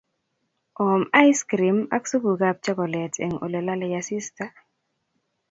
om ais krim ak supukab chokolet eng ole lolei asista?